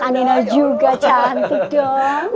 anina juga cantik dong